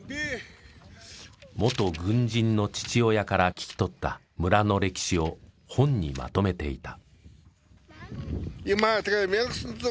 元軍人の父親から聞き取った村の歴史を本にまとめていた。